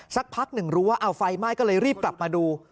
สักพักหนึ่งรู้ว่าเอาไฟไหม้ก็เลยรีบกลับมาดู